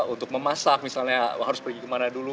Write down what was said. untuk memasak misalnya harus pergi kemana dulu